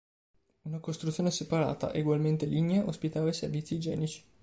Una costruzione separata, egualmente lignea, ospitava i servizi igienici.